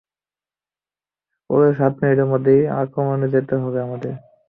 পরের সাত মিনিটের মধ্যেই আক্রমণে যেতে হবে আমাদের!